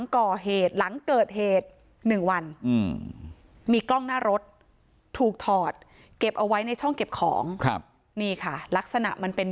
กถอดเก็บเอาไว้ในช่องเก็บของครับนี่ค่ะลักษณะมันเป็น